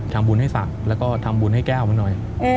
ทำบุญให้ศักดิ์แล้วก็ทำบุญให้แก้วมันหน่อย